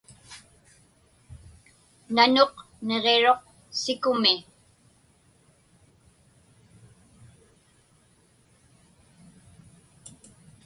Nanuq niġiruq sikumi.